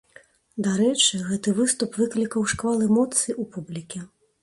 Дарэчы, гэты выступ выклікаў шквал эмоцый у публікі.